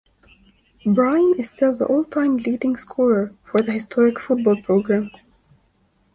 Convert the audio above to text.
Brien is still the all-time leading scorer for the historic football program.